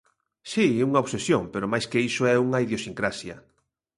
Si, unha obsesión pero máis que iso é unha idiosincrasia.